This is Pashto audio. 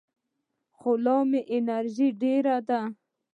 خو لا مې انرژي ډېره ده.